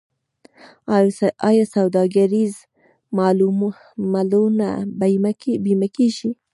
آیا سوداګریز مالونه بیمه کیږي؟